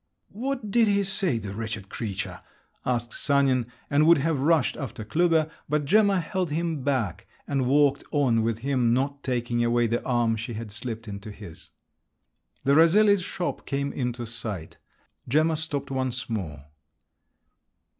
"What did he say, the wretched creature?" asked Sanin, and would have rushed after Klüber; but Gemma held him back and walked on with him, not taking away the arm she had slipped into his. The Rosellis' shop came into sight. Gemma stopped once more.